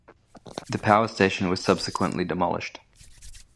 The power station was subsequently demolished.